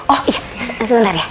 oh iya sebentar ya